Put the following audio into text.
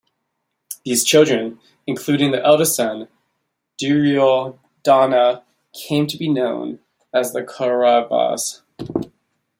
These children, including the eldest son Duryodhana, came to be known as the Kauravas.